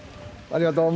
ありがとう。